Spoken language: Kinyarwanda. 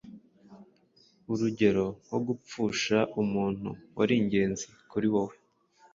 urugero nko gupfusha umuntu wari ingenzi kuri wowe,